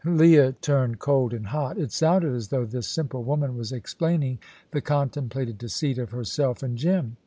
Leah turned cold and hot. It sounded as though this simple woman was explaining the contemplated deceit of herself and Jim.